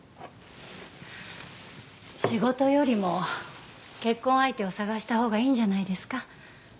仕事よりも結婚相手を探したほうがいいんじゃないですか？